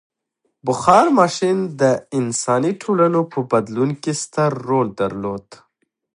• بخار ماشین د انساني ټولنو په بدلون کې ستر رول درلود.